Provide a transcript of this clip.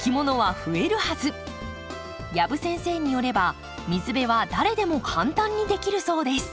養父先生によれば水辺は誰でも簡単にできるそうです。